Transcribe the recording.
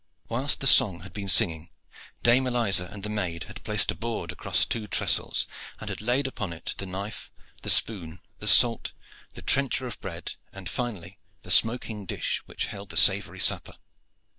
Whilst the song had been singing Dame Eliza and the maid had placed a board across two trestles, and had laid upon it the knife, the spoon, the salt, the tranchoir of bread, and finally the smoking dish which held the savory supper.